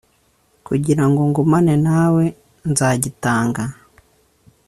kugira ngo ngumane nawe nzagitanga